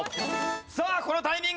さあこのタイミングでいった！